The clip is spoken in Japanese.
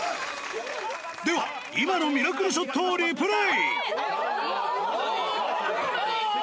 では、今のミラクルショットをリプレー。